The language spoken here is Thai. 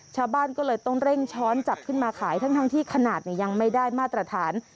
ชาวบ้านก็เลยต้องเร่งช้อนจับขึ้นมาขายทั้งที่ขนาดยังไม่ได้มาตรฐาน